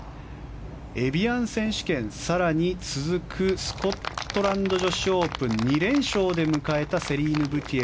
エビアン選手権、更に続くスコットランド女子オープン２連勝で迎えたセリーヌ・ブティエ